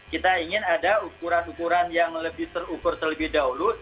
kita ingin ada ukuran ukuran yang lebih terukur terlebih dahulu